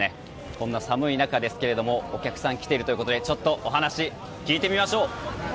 こんな寒い中ですがお客さんが来ているということでちょっとお話聞いてみましょう。